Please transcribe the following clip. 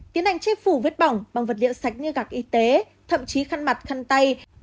tiến hành chép phủ vết bỏng bằng vật liệu sạch như gạc y tế thậm chí khăn mặt khăn tay